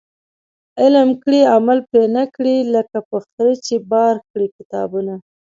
علم کړي عمل پري نه کړي ، لکه په خره چي بار کړي کتابونه